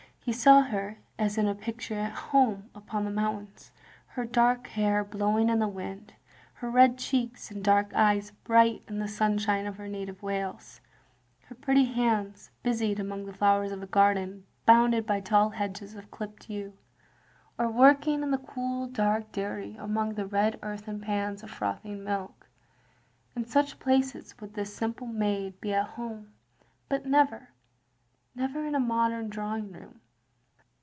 He saw her, as in a picture, at home upon the mountains, her dark hair blow ing in the wind, her red cheeks and dark eyes bright in the sunshine of her native Wales, her pretty hands busied among the flowers of a garden botinded by tall hedges of clipped yew — or working OF GROSVENOR SQUARE 121 in the cool dark dairy among the red earthen pans of frothing milk. In such places would this simple maid be at home, but never — ^never in a modem drawing room.